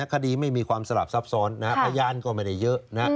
คดีไม่มีความสลับซับซ้อนพยานก็ไม่ได้เยอะ